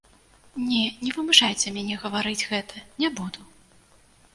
Не, не вымушайце мяне гаварыць гэта, не буду.